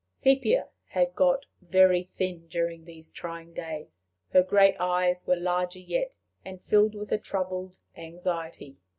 Sepia had got very thin during these trying days. Her great eyes were larger yet, and filled with a troubled anxiety.